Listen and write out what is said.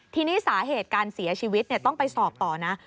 ทีนี้สาเหตุการเสียชีวิตต้องไปสอบต่อนะ